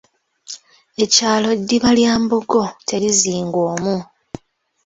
Ekyalo ddiba lya mbogo terizingwa omu.